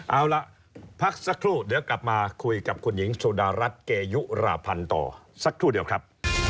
เอาล่ะพักสักครู่เดี๋ยวกลับมาคุยกับคุณหญิงสุดารัฐเกยุราพันธ์ต่อสักครู่เดียวครับ